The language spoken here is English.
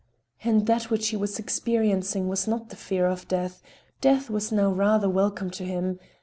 And that which he was experiencing was not the fear of death; death was now rather welcome to him.